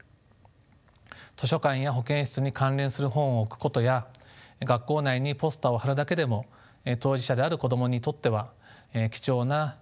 図書館や保健室に関連する本を置くことや学校内にポスターを貼るだけでも当事者である子供にとっては貴重な情報獲得の機会になります。